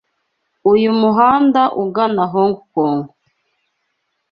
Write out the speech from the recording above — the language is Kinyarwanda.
Uyu muhanda ugana Hong Kong.